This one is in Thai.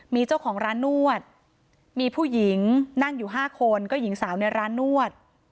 มีเจ้าของร้านนวดมีผู้หญิงนั่งอยู่๕คนก็หญิงสาวในร้านนวด